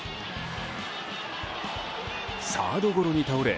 サードゴロに倒れ